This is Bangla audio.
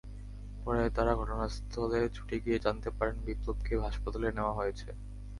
পরে তাঁরা ঘটনাস্থলে ছুটে গিয়ে জানতে পারেন, বিপ্লবকে হাসপাতালে নেওয়া হয়েছে।